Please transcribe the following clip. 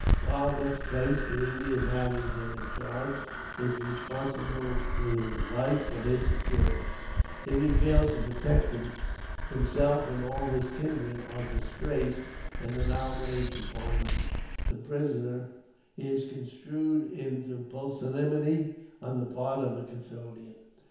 While thus placed, the Indian having him in charge is responsible with his life for his security ; if he fails to protect him, him self and all his kindred are disgraced ; an outrage upon the prisoner is construed into pusillanimity on the part of the custodian.